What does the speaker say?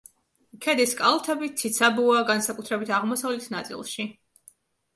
ქედის კალთები ციცაბოა, განსაკუთრებით აღმოსავლეთ ნაწილში.